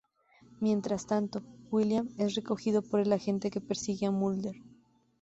Mientras tanto, William es recogido por el agente que persigue a Mulder.